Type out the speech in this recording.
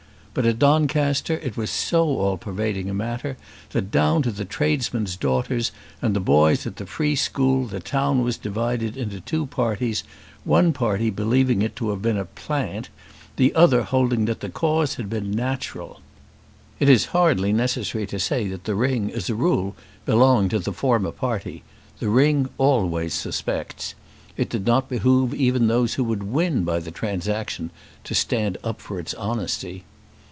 But at Doncaster it was so all pervading a matter that down to the tradesmen's daughters and the boys at the free school the town was divided into two parties, one party believing it to have been a "plant," and the other holding that the cause had been natural. It is hardly necessary to say that the ring, as a rule, belonged to the former party. The ring always suspects. It did not behove even those who would win by the transaction to stand up for its honesty.